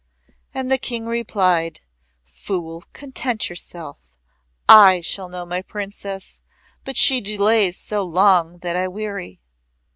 And the King replied: "Fool, content yourself. I shall know my Princess, but she delays so long that I weary."